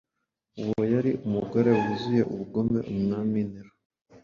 Uwo yari umugore wuzuye ubugome umwami Nero